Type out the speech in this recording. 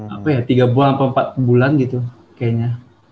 apa ya tiga bulan atau empat bulan gitu kayaknya